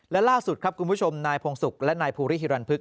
และล่าสุดครับคุณผู้ชมนายพงศุกร์และนายภูริฮิรันพึก